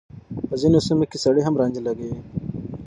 په ځينو سيمو کې سړي هم رانجه لګوي.